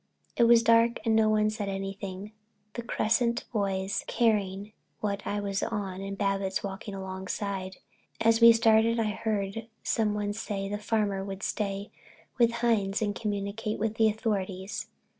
It was dark and no one said anything, the Cresset boys carrying what I was on and Babbitts walking alongside. As we started I heard someone say the Farmer would stay with Hines and "communicate with the authorities."